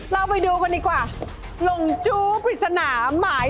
เราไปดูกันดีกว่าหลงจู้ปริศนาหมาย